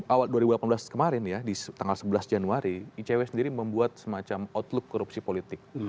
awal dua ribu delapan belas kemarin ya di tanggal sebelas januari icw sendiri membuat semacam outlook korupsi politik